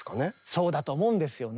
そうだと思うんですよね。